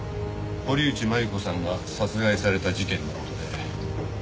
堀内真由子さんが殺害された事件の事で。